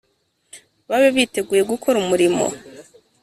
babe biteguye gukora umurimo